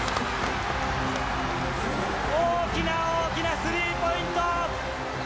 大きな大きなスリーポイント！